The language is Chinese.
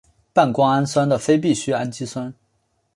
半胱氨酸的非必需氨基酸。